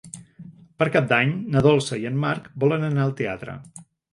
Per Cap d'Any na Dolça i en Marc volen anar al teatre.